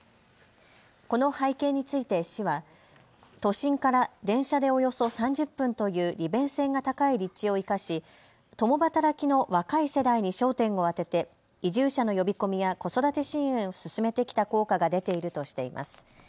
この背景について市は都心から電車でおよそ３０分という利便性が高い立地を生かし共働きの若い世代に焦点を当てて移住者の呼び込みや子育て支援を進めてきた効果が出ているとしています。